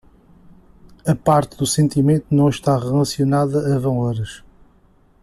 A parte do sentimento não está relacionada a valores